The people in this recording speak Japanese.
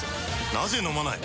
なぜ飲まない？